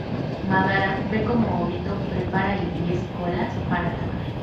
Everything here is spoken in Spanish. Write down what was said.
Madara ve cómo Obito prepara al Diez Colas para atacar.